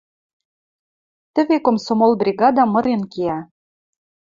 Тӹве комсомол бригада мырен кеӓ.